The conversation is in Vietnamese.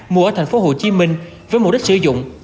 mua ở thành phố hồ chí minh với mục đích sử dụng